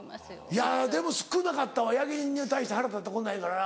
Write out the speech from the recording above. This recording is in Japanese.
いやでも少なかったわ八木に対して腹立ったことないから。